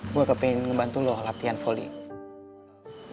gue kepengen ngebantu lo latihan volleying